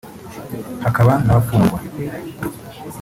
hakaba n’abafungwa